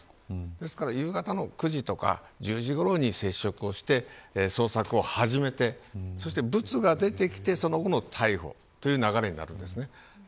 ですから夕方の９時とか１０時ごろに接触をして捜索を始めてそしてブツが出てきてその後の逮捕という流れになります。